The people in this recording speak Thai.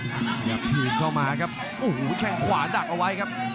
พยายามถีบเข้ามาครับโอ้โหแข้งขวาดักเอาไว้ครับ